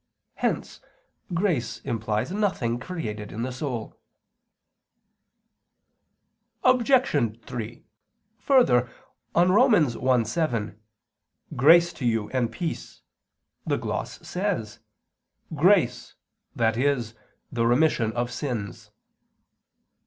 Hence grace implies nothing created in the soul. Obj. 3: Further, on Rom. 1:7, "Grace to you and peace," the gloss says: "Grace, i.e. the remission of sins."